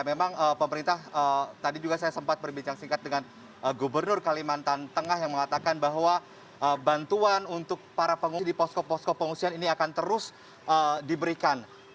memang pemerintah tadi juga saya sempat berbincang singkat dengan gubernur kalimantan tengah yang mengatakan bahwa bantuan untuk para pengungsi di posko posko pengungsian ini akan terus diberikan